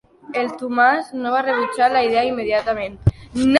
El Tomàs no va rebutjar la idea immediatament.